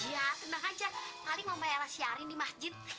ya tenang aja paling mama ella siarin di masjid